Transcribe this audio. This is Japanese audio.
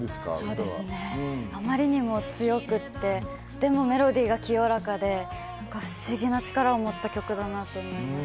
あまりにも強くて、メロディーが清らかで、不思議な力を持った曲だなと思います。